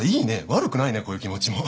悪くないねこういう気持ちも。